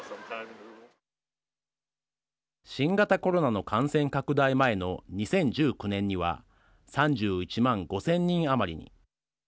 新型コロナの感染拡大前の２０１９年には３１万５０００人余りに。